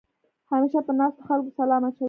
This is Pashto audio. همېشه په ناستو خلکو سلام اچوې.